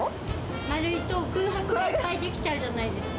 丸いと空白がいっぱい出来ちゃうじゃないですか。